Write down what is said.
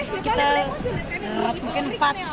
sekitar mungkin empat